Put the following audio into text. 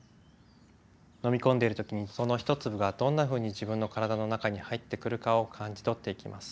飲み込んでる時にその一粒がどんなふうに自分の体の中に入ってくるかを感じ取っていきます。